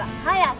はい。